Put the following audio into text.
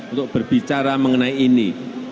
untuk berbicara mengenai ini